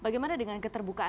jadi kalau kita